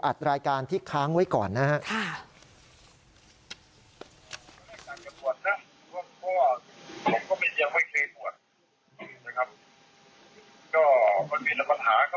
รายการที่ค้างไว้ก่อนนะครับ